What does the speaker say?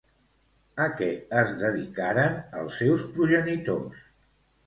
A què es dedicaren els seus progenitors?